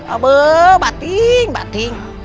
aboe batik batik